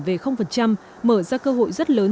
về mở ra cơ hội rất lớn